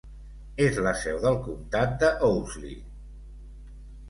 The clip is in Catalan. És la seu del comtat de Owsley.